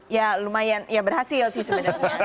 ya lumayan ya berhasil sih sebenarnya